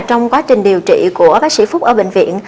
trong quá trình điều trị của bác sĩ phúc ở bệnh viện